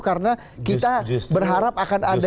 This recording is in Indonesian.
karena kita berharap akan ada